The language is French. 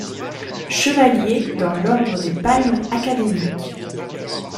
Chevalier dans l'Ordre des Palmes académiques.